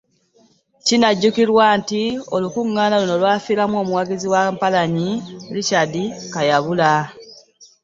Kinajjukirwa nti Olukuŋŋaana luno lwafiiramu omuwagizi wa Mpalanyi Richard Kayabula